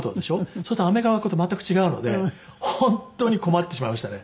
そうするとアメリカの学校と全く違うので本当に困ってしまいましたね。